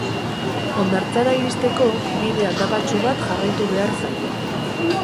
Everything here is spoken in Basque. Hondartzara iristeko, bide aldapatsu bat jarraitu behar zaio.